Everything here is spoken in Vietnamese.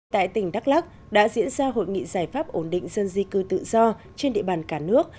tại tỉnh đắk lắc đã diễn ra hội nghị giải pháp ổn định dân di cư tự do trên địa bàn cả nước